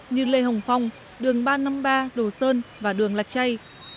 như lê hồng phong đường ba trăm năm mươi ba đồ sơn và đường lạch chay